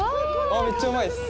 あっ、めっちゃうまいです。